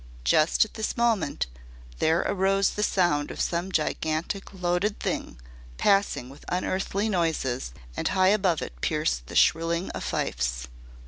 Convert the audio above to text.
Just at this moment there arose the sound of some gigantic loaded thing, passing with unearthly noises, and high above it pierced the shrilling of fifes.